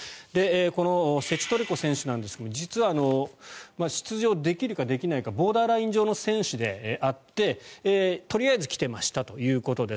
このセチトレコ選手なんですが実は出場できるかできないかボーダーライン上の選手であってとりあえず来てましたということです。